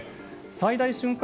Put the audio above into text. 最大瞬間